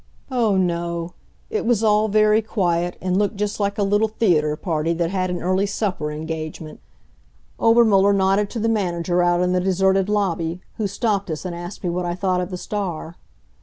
Oh, no! It was all very quiet and looked just like a little theater party that had an early supper engagement. Obermuller nodded to the manager out in the deserted lobby, who stopped us and asked me what I thought of the star.